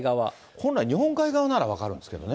本来、日本海側なら分かるんですけどね。